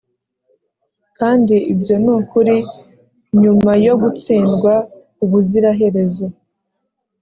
kandi ibyo nukuri nyuma yo gutsindwa ubuziraherezo.